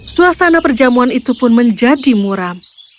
suasana perjamuan itu pun menjadi muram